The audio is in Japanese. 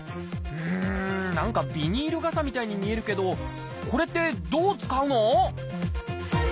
うん何かビニール傘みたいに見えるけどこれってどう使うの？